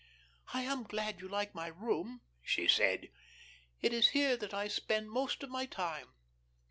"I am glad you like my room," she said. "It is here that I spend most of my time.